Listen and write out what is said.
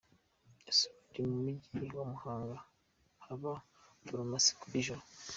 Ese ubundi mu Mujyi wa Muhanga haba farumasi ikora ijoro ?.